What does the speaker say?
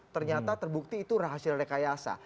ternyata terbukti itu rahasia rekayasa